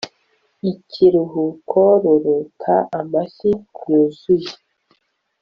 ikiruhuko ruruta amashyi yuzuye